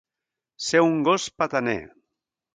Ser un gos petaner.